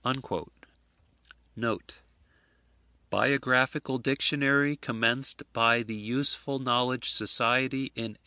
[Biographical Dictionary commenced by the Useful Knowledge Society in 1844.